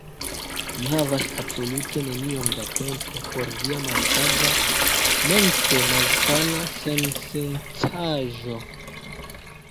Mi havas absolute neniom da tempo por via malsaĝa, mense malsana sensencaĵo.